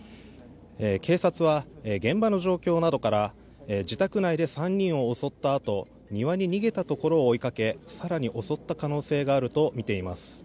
警察は、現場の状況などから自宅内で３人を襲ったあと庭に逃げたところを追いかけ更に襲った可能性があるとみています。